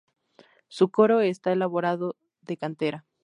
Su coro está elaborado de cantera.